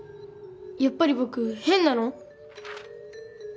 やっぱり僕変なの？